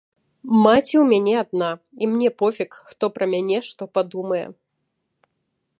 Маці ў мяне адна, і мне пофіг, хто пра мяне што падумае.